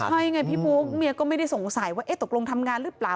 ใช่ไงพี่บุ๊คเมียก็ไม่ได้สงสัยว่าตกลงทำงานหรือเปล่า